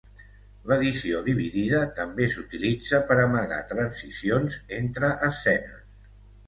L'edició dividida també s'utilitza per amagar transicions entre escenes.